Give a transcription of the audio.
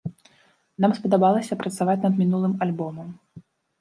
Нам спадабалася працаваць над мінулым альбомам.